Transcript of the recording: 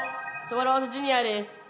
スワローズジュニアです。